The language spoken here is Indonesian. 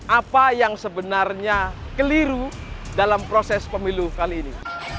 apa yang sebenarnya keliru dalam proses pemilu kali ini